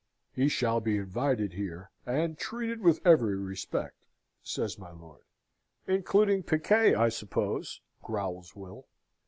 "He shall be invited here, and treated with every respect," said my lord. "Including piquet, I suppose!" growls Will.